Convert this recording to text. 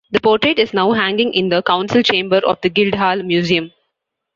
The portrait is now hanging in the Council Chamber of the Guildhall Museum.